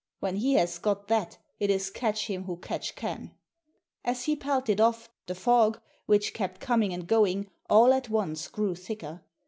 When he has got that it is catch him who catch can ! As he pelted off the fog, which kept coming and going, all at once grew thicker.